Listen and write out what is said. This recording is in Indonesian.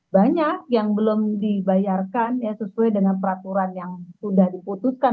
banyak yang belum dibayarkan sesuai dengan peraturan yang sudah diputuskan